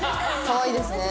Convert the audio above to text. かわいいですね。